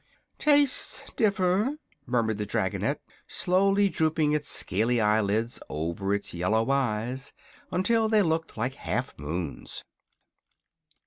"Tastes differ," murmured the dragonette, slowly drooping its scaley eyelids over its yellow eyes, until they looked like half moons.